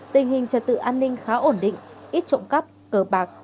tình hình trật tự an ninh khá ổn định ít trộm cắp cờ bạc